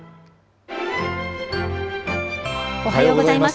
おはようございます。